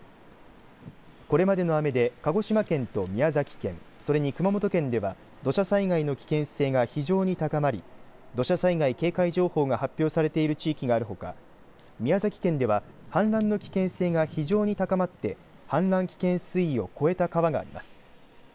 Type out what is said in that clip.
これまでの雨で鹿児島県と宮崎県それに熊本県では土砂災害の危険性が非常に高まり土砂災害警戒情報が発表されている地域があるほか宮崎県では氾濫の危険性が非常に高まって氾濫危険水位を超えた川があります。